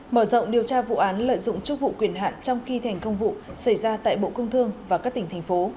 mở rộng điều tra vụ án lợi dụng chức vụ quyền hạn trong khi thành công vụ xảy ra tại bộ công thương và các tỉnh thành phố